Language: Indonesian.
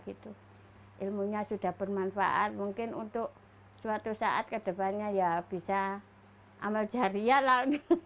ilmunya sudah bermanfaat mungkin untuk suatu saat ke depannya ya bisa amal jahariah lah